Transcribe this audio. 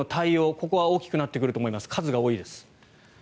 ここは大きくなってくると思います、数が多いです。